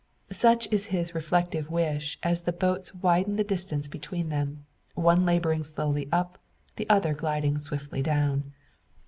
Such is his reflective wish as the boats widen the distance between; one labouring slowly up, the other gliding swiftly down.